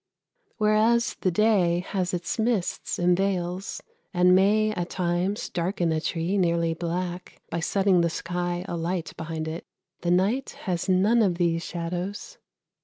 Whereas the day has its mists and veils, and may at times darken a tree nearly black, by setting the sky alight behind it, the night has none of these shadows.